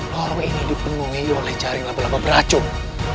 lorong ini dipenuhi oleh jaring laba laba beracung